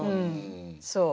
そう。